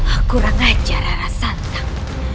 aku ranga ajar rara santang